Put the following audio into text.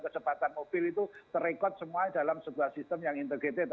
kecepatan mobil itu terek semua dalam sebuah sistem yang integrated